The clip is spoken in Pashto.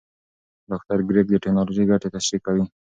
ډاکټر کریګ د ټېکنالوژۍ ګټې تشریح کوي.